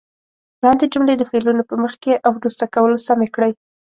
لاندې جملې د فعلونو په مخکې او وروسته کولو سمې کړئ.